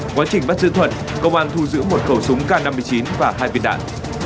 quá trình bắt giữ thuận công an thu giữ một khẩu súng k năm mươi chín và hai viên đạn